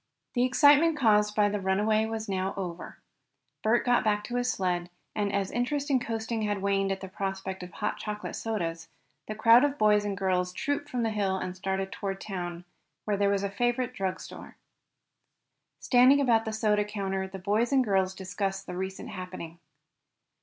The excitement caused by the runaway was over now. Bert got back his sled and, as interest in coasting had waned at the prospect of hot chocolate sodas, the crowd of boys and girls trooped from the hill and started toward town, where there was a favorite drug store. Standing about the soda counter the boys and girls discussed the recent happening.